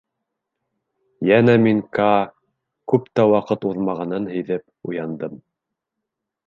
Йәнә мин, Каа, күп тә ваҡыт уҙмағанын һиҙеп уяндым.